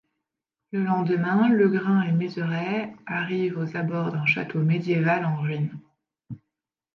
Le lendemain, Legrain et Mézeray arrivent aux abords d'un château médiéval en ruines.